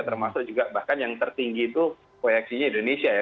termasuk juga bahkan yang tertinggi itu proyeksinya indonesia ya